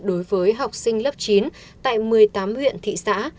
đối với học sinh lớp chín tại một mươi tám huyện thị xã